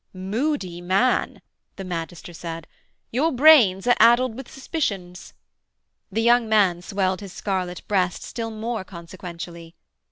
'Moody man,' the magister said, 'your brains are addled with suspicions.' The young man swelled his scarlet breast still more consequentially.